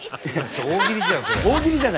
大喜利じゃんそれ。